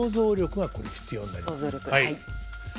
想像力はい。